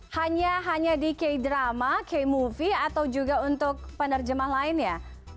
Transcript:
hanya hanya di k drama k movie atau juga untuk penerjemah lainnya